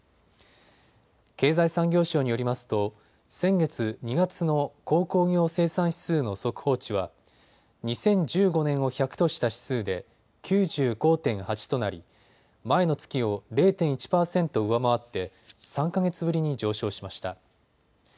経済産業省によりますと先月２月の鉱工業生産指数の速報値は２０１５年を１００とした指数で９５．８となり、前の月を０．１％上回って３か月ぶりに上昇しました。